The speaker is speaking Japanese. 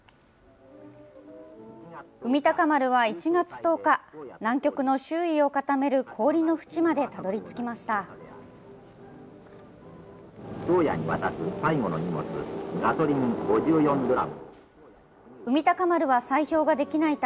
海鷹丸は１月１０日、南極の周囲を固める氷の縁までたどりつきました。